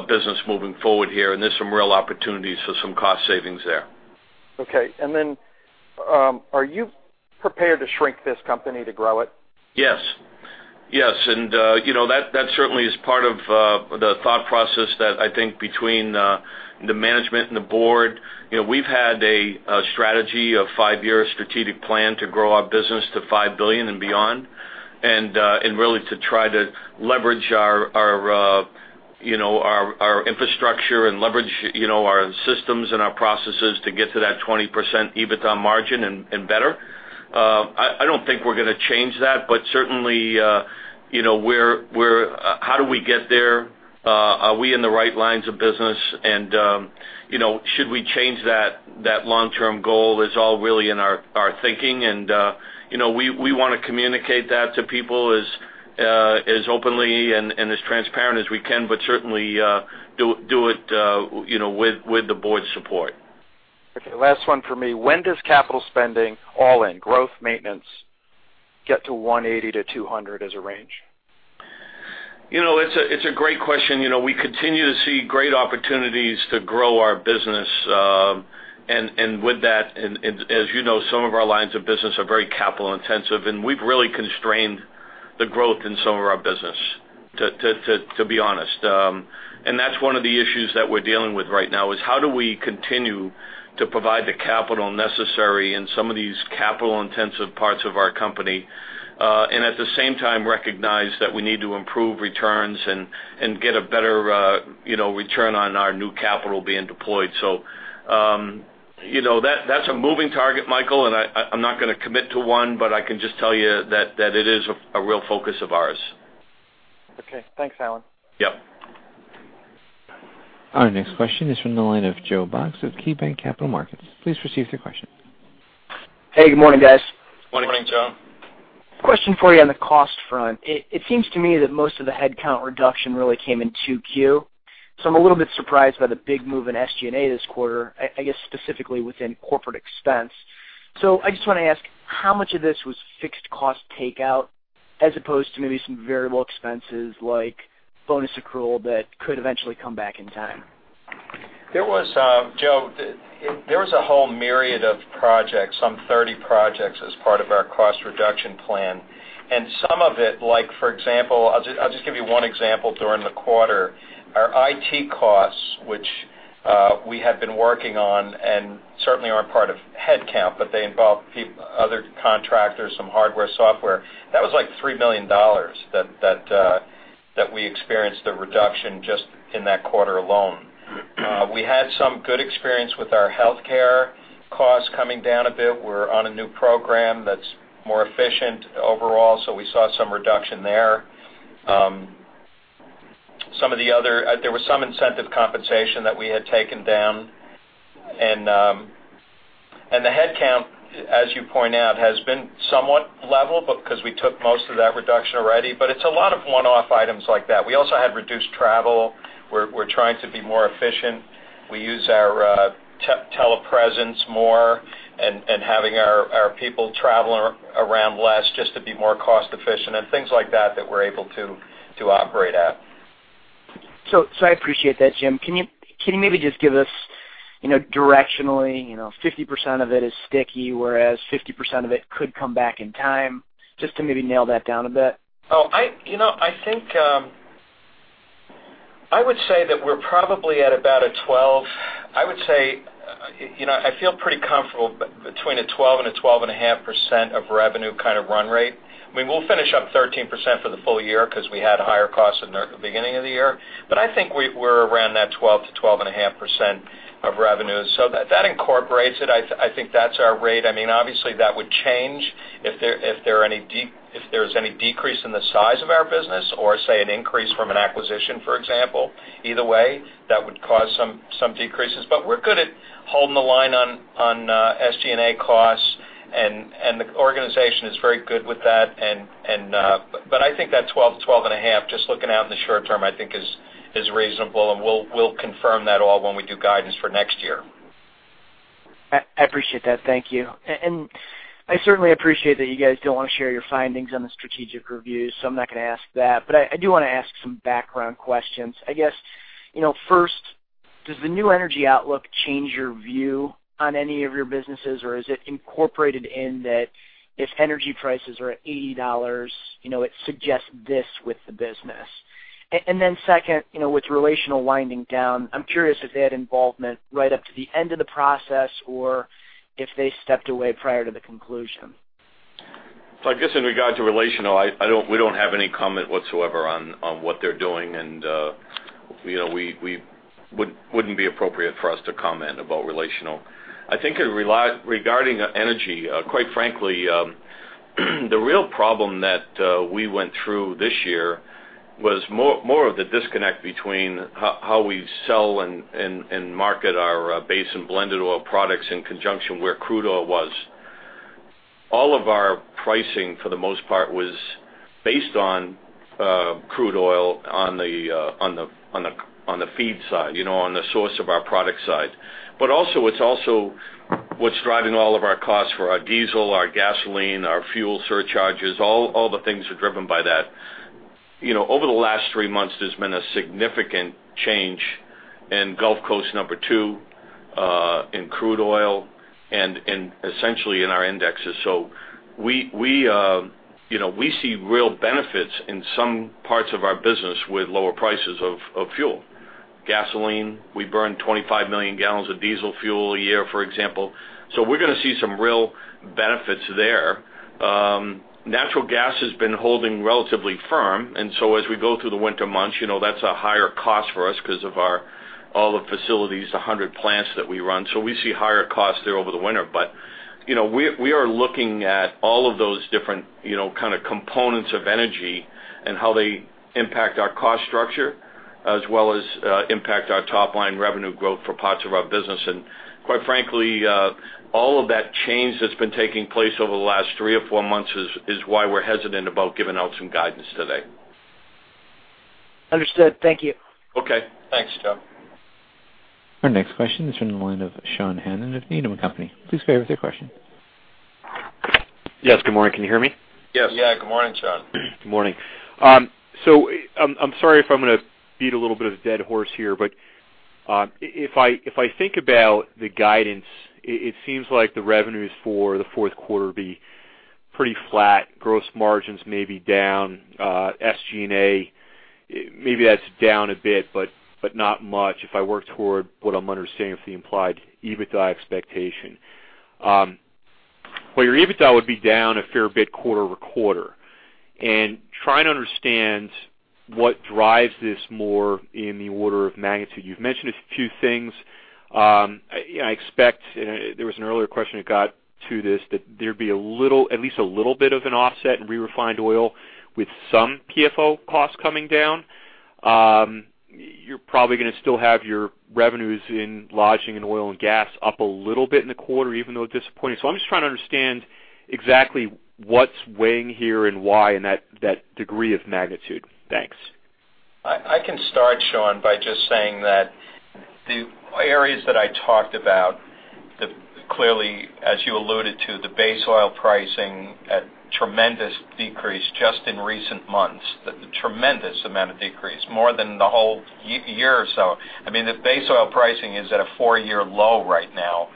business moving forward here. There's some real opportunities for some cost savings there. Okay. And then are you prepared to shrink this company to grow it? Yes. Yes. And that certainly is part of the thought process that I think between the management and the board. We've had a strategy of five-year strategic plan to grow our business to $5 billion and beyond and really to try to leverage our infrastructure and leverage our systems and our processes to get to that 20% EBITDA margin and better. I don't think we're going to change that. But certainly, how do we get there? Are we in the right lines of business? And should we change that long-term goal is all really in our thinking. And we want to communicate that to people as openly and as transparent as we can, but certainly do it with the board's support. Okay. Last one for me. When does capital spending all in growth maintenance get to 180-200 as a range? It's a great question. We continue to see great opportunities to grow our business. And with that, as you know, some of our lines of business are very capital intensive. And we've really constrained the growth in some of our business, to be honest. And that's one of the issues that we're dealing with right now is how do we continue to provide the capital necessary in some of these capital-intensive parts of our company and at the same time recognize that we need to improve returns and get a better return on our new capital being deployed. So that's a moving target, Michael. And I'm not going to commit to one, but I can just tell you that it is a real focus of ours. Okay. Thanks, Alan. Yep. Our next question is from the line of Joe Box with KeyBanc Capital Markets. Please proceed with your question. Hey. Good morning, guys. Good morning, John. Question for you on the cost front. It seems to me that most of the headcount reduction really came in Q2. So I'm a little bit surprised by the big move in SG&A this quarter, I guess specifically within corporate expense. So I just want to ask how much of this was fixed cost takeout as opposed to maybe some variable expenses like bonus accrual that could eventually come back in time? There was, Joe, there was a whole myriad of projects, some 30 projects as part of our cost reduction plan. Some of it, for example, I'll just give you one example during the quarter. Our IT costs, which we have been working on and certainly aren't part of headcount, but they involve other contractors, some hardware, software. That was like $3 million that we experienced the reduction just in that quarter alone. We had some good experience with our healthcare costs coming down a bit. We're on a new program that's more efficient overall. So we saw some reduction there. Some of the other there was some incentive compensation that we had taken down. The headcount, as you point out, has been somewhat level because we took most of that reduction already. But it's a lot of one-off items like that. We also had reduced travel. We're trying to be more efficient. We use our telepresence more and having our people travel around less just to be more cost-efficient and things like that that we're able to operate at. So I appreciate that, Jim. Can you maybe just give us directionally 50% of it is sticky, whereas 50% of it could come back in time? Just to maybe nail that down a bit. Oh, I think I would say that we're probably at about 12%. I would say I feel pretty comfortable between 12% and 12.5% of revenue kind of run rate. I mean, we'll finish up 13% for the full year because we had higher costs in the beginning of the year. But I think we're around that 12%-12.5% of revenue. So that incorporates it. I think that's our rate. I mean, obviously, that would change if there's any decrease in the size of our business or, say, an increase from an acquisition, for example. Either way, that would cause some decreases. But we're good at holding the line on SG&A costs. And the organization is very good with that. But I think that 12%-12.5%, just looking out in the short term, I think is reasonable. And we'll confirm that all when we do guidance for next year. I appreciate that. Thank you. I certainly appreciate that you guys don't want to share your findings on the strategic review. I'm not going to ask that. I do want to ask some background questions. I guess, first, does the new energy outlook change your view on any of your businesses? Or is it incorporated in that if energy prices are at $80, it suggests this with the business? Then second, with Relational Investors winding down, I'm curious if they had involvement right up to the end of the process or if they stepped away prior to the conclusion. I guess in regard to Relational, we don't have any comment whatsoever on what they're doing. It wouldn't be appropriate for us to comment about Relational. I think regarding energy, quite frankly, the real problem that we went through this year was more of the disconnect between how we sell and market our base and blended oil products in conjunction where crude oil was. All of our pricing, for the most part, was based on crude oil on the feed side, on the source of our product side. It's also what's driving all of our costs for our diesel, our gasoline, our fuel surcharges. All the things are driven by that. Over the last three months, there's been a significant change in Gulf Coast No. 2 in crude oil and essentially in our indexes. So we see real benefits in some parts of our business with lower prices of fuel. Gasoline, we burn 25 million gallons of diesel fuel a year, for example. So we're going to see some real benefits there. Natural gas has been holding relatively firm. And so as we go through the winter months, that's a higher cost for us because of all the facilities, the 100 plants that we run. So we see higher costs there over the winter. But we are looking at all of those different kind of components of energy and how they impact our cost structure as well as impact our top-line revenue growth for parts of our business. And quite frankly, all of that change that's been taking place over the last three or four months is why we're hesitant about giving out some guidance today. Understood. Thank you. Okay. Thanks, John. Our next question is from the line of Sean Hannan of Needham & Company. Please bear with your question. Yes. Good morning. Can you hear me? Yes. Yeah. Good morning, Sean. Good morning. So I'm sorry if I'm going to beat a little bit of a dead horse here. But if I think about the guidance, it seems like the revenues for the fourth quarter will be pretty flat. Gross margins may be down. SG&A, maybe that's down a bit, but not much if I work toward what I'm understanding of the implied EBITDA expectation. Well, your EBITDA would be down a fair bit quarter-over-quarter. And trying to understand what drives this more in the order of magnitude, you've mentioned a few things. I expect, and there was an earlier question that got to this, that there'd be at least a little bit of an offset in refined oil with some PFO costs coming down. You're probably going to still have your revenues in lodging and oil and gas up a little bit in the quarter, even though disappointing. I'm just trying to understand exactly what's weighing here and why in that degree of magnitude. Thanks. I can start, Sean, by just saying that the areas that I talked about, clearly, as you alluded to, the base oil pricing had tremendous decrease just in recent months. Tremendous amount of decrease. More than the whole year or so. I mean, the base oil pricing is at a four-year low right now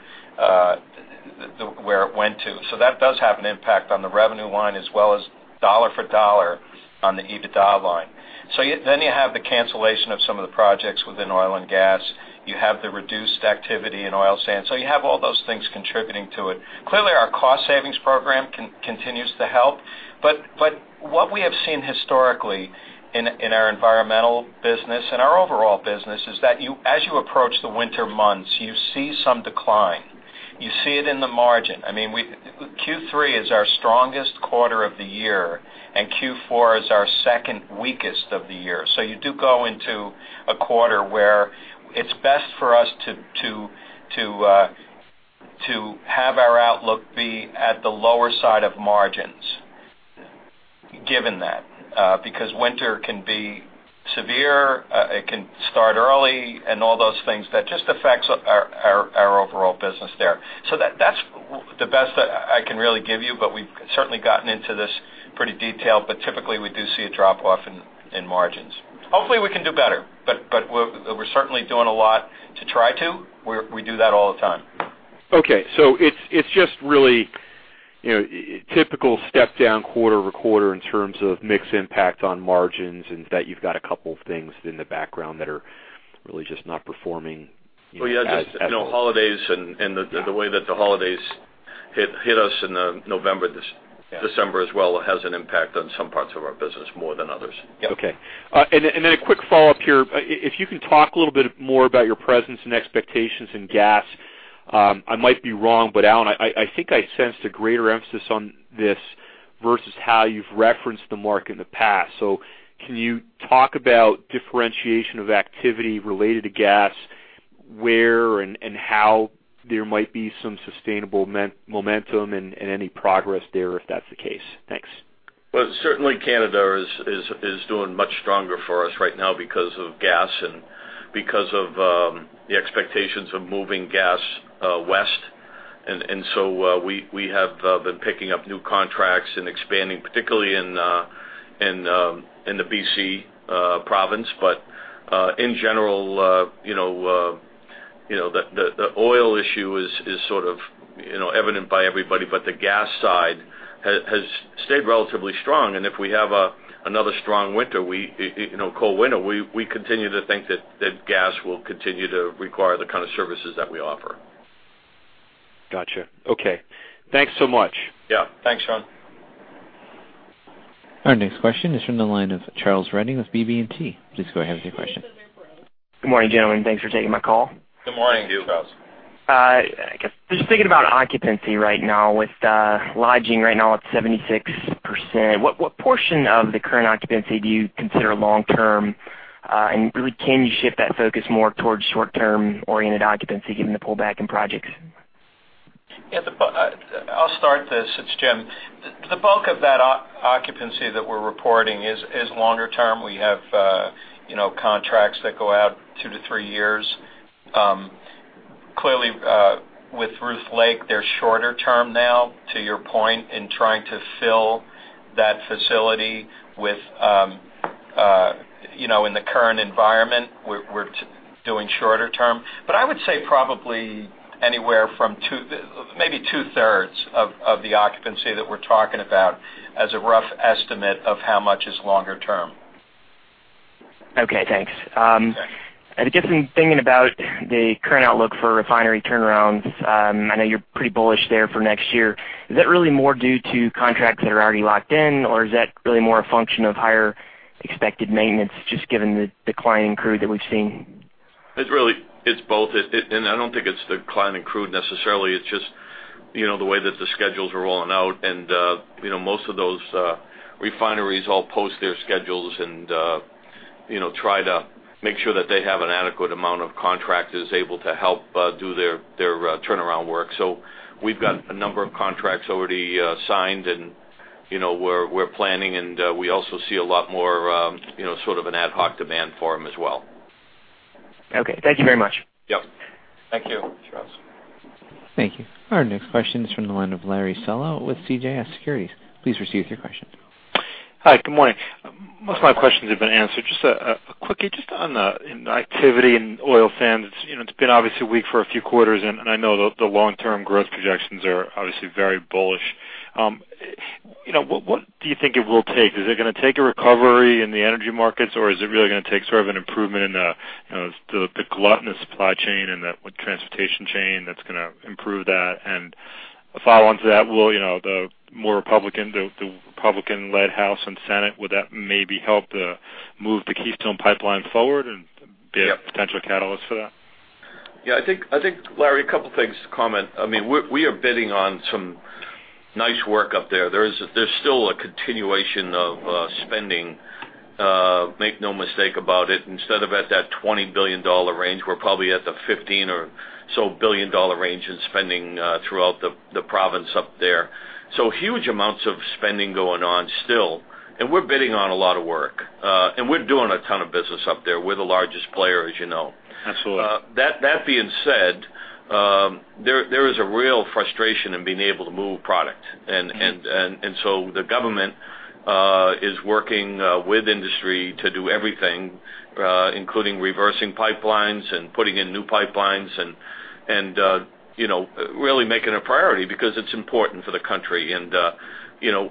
where it went to. So that does have an impact on the revenue line as well as dollar for dollar on the EBITDA line. So then you have the cancellation of some of the projects within oil and gas. You have the reduced activity in oil sands. So you have all those things contributing to it. Clearly, our cost savings program continues to help. But what we have seen historically in our environmental business and our overall business is that as you approach the winter months, you see some decline. You see it in the margin. I mean, Q3 is our strongest quarter of the year. Q4 is our second weakest of the year. So you do go into a quarter where it's best for us to have our outlook be at the lower side of margins given that because winter can be severe. It can start early and all those things that just affect our overall business there. So that's the best that I can really give you. But we've certainly gotten into this pretty detail. Typically, we do see a drop off in margins. Hopefully, we can do better. We're certainly doing a lot to try to. We do that all the time. Okay. So it's just really typical step down quarter to quarter in terms of mixed impact on margins and that you've got a couple of things in the background that are really just not performing. Well, yeah. Just holidays and the way that the holidays hit us in November, December as well has an impact on some parts of our business more than others. Okay. Then a quick follow-up here. If you can talk a little bit more about your presence and expectations in gas. I might be wrong. But Alan, I think I sensed a greater emphasis on this versus how you've referenced the market in the past. So can you talk about differentiation of activity related to gas, where and how there might be some sustainable momentum and any progress there if that's the case? Thanks. Well, certainly, Canada is doing much stronger for us right now because of gas and because of the expectations of moving gas west. And so we have been picking up new contracts and expanding, particularly in the BC province. But in general, the oil issue is sort of evident by everybody. But the gas side has stayed relatively strong. And if we have another strong winter, cold winter, we continue to think that gas will continue to require the kind of services that we offer. Gotcha. Okay. Thanks so much. Yeah. Thanks, Sean. Our next question is from the line of Charles Redding with BB&T. Please go ahead with your question. Good morning, gentlemen. Thanks for taking my call. Good morning to you, guys. Just thinking about occupancy right now with lodging right now at 76%. What portion of the current occupancy do you consider long-term? Really, can you shift that focus more towards short-term oriented occupancy given the pullback in projects? Yeah. I'll start this. It's Jim. The bulk of that occupancy that we're reporting is longer term. We have contracts that go out 2-3 years. Clearly, with Ruth Lake, they're shorter term now, to your point, in trying to fill that facility within the current environment, we're doing shorter term. But I would say probably anywhere from maybe two-thirds of the occupancy that we're talking about as a rough estimate of how much is longer term. Okay. Thanks. I guess in thinking about the current outlook for refinery turnarounds, I know you're pretty bullish there for next year. Is that really more due to contracts that are already locked in? Or is that really more a function of higher expected maintenance just given the declining crude that we've seen? It's both. And I don't think it's the declining crude necessarily. It's just the way that the schedules are rolling out. And most of those refineries all post their schedules and try to make sure that they have an adequate amount of contractors able to help do their turnaround work. So we've got a number of contracts already signed. And we're planning. And we also see a lot more sort of an ad hoc demand for them as well. Okay. Thank you very much. Yep. Thank you, Charles. Thank you. Our next question is from the line of Larry Solow with CJS Securities. Please proceed with your question. Hi. Good morning. Most of my questions have been answered. Just quickly, just on the activity in oil sands, it's been obviously weak for a few quarters. I know the long-term growth projections are obviously very bullish. What do you think it will take? Is it going to take a recovery in the energy markets? Or is it really going to take sort of an improvement in the glut in the supply chain and the transportation chain that's going to improve that? And a follow-on to that, will the more Republican-led House and Senate maybe help to move the Keystone Pipeline forward and be a potential catalyst for that? Yeah. I think, Larry, a couple of things to comment. I mean, we are bidding on some nice work up there. There's still a continuation of spending, make no mistake about it. Instead of at that $20 billion range, we're probably at the $15 billion or so range in spending throughout the province up there. So huge amounts of spending going on still. And we're bidding on a lot of work. And we're doing a ton of business up there. We're the largest player, as you know. Absolutely. That being said, there is a real frustration in being able to move product. And so the government is working with industry to do everything, including reversing pipelines and putting in new pipelines and really making it a priority because it's important for the country. And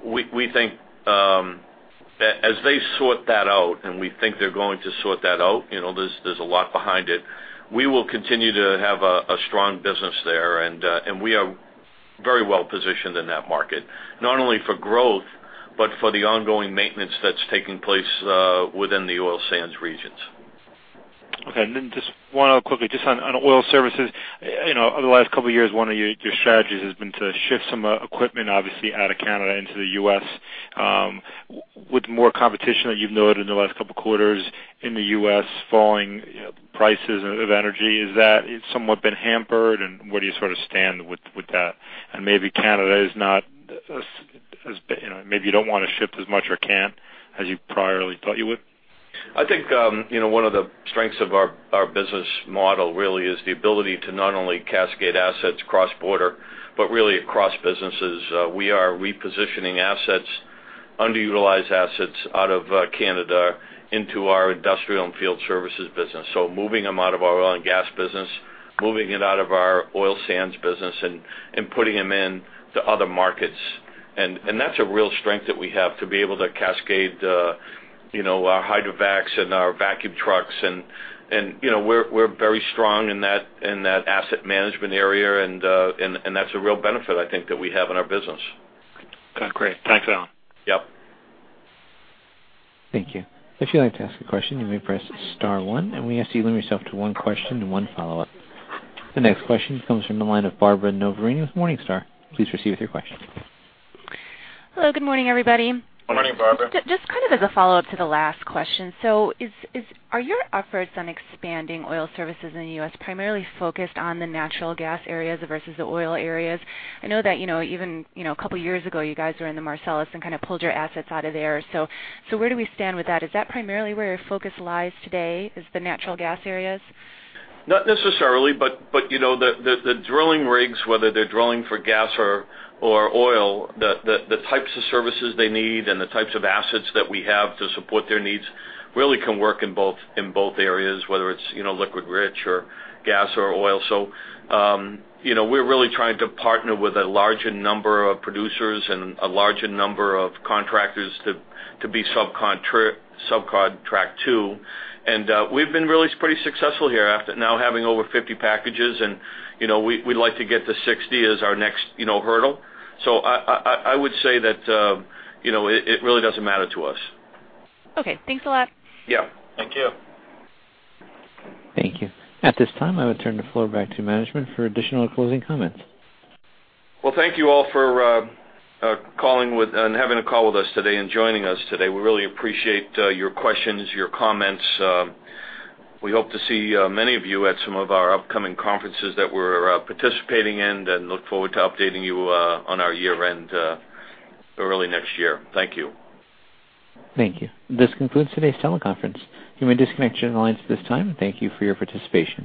we think that as they sort that out, and we think they're going to sort that out, there's a lot behind it. We will continue to have a strong business there. And we are very well positioned in that market, not only for growth but for the ongoing maintenance that's taking place within the oil sands regions. Okay. And then just one other quickly, just on oil services. Over the last couple of years, one of your strategies has been to shift some equipment, obviously, out of Canada into the U.S. With more competition that you've noted in the last couple of quarters in the U.S., falling prices of energy, has that somewhat been hampered? And where do you sort of stand with that? And maybe Canada is not as maybe you don't want to shift as much or can't as you previously thought you would? I think one of the strengths of our business model really is the ability to not only cascade assets cross-border but really across businesses. We are repositioning assets, underutilized assets out of Canada into our industrial and field services business. So moving them out of our oil and gas business, moving it out of our oil sands business, and putting them in the other markets. And that's a real strength that we have to be able to cascade our hydrovacs and our vacuum trucks. And we're very strong in that asset management area. And that's a real benefit, I think, that we have in our business. Okay. Great. Thanks, Alan. Yep. Thank you. If you'd like to ask a question, you may press star one. We ask that you limit yourself to one question and one follow-up. The next question comes from the line of Barbara Noverini with Morningstar. Please proceed with your question. Hello. Good morning, everybody. Good morning, Barbara. Just kind of as a follow-up to the last question. So are your efforts on expanding oil services in the U.S. primarily focused on the natural gas areas versus the oil areas? I know that even a couple of years ago, you guys were in the Marcellus and kind of pulled your assets out of there. So where do we stand with that? Is that primarily where your focus lies today, is the natural gas areas? Not necessarily. But the drilling rigs, whether they're drilling for gas or oil, the types of services they need and the types of assets that we have to support their needs really can work in both areas, whether it's liquid-rich or gas or oil. So we're really trying to partner with a larger number of producers and a larger number of contractors to be subcontract too. And we've been really pretty successful here now having over 50 packages. And we'd like to get to 60 as our next hurdle. So I would say that it really doesn't matter to us. Okay. Thanks a lot. Yeah. Thank you. Thank you. At this time, I will turn the floor back to management for additional closing comments. Well, thank you all for calling and having a call with us today and joining us today. We really appreciate your questions, your comments. We hope to see many of you at some of our upcoming conferences that we're participating in and look forward to updating you on our year-end early next year. Thank you. Thank you. This concludes today's teleconference. You may disconnect your lines at this time. Thank you for your participation.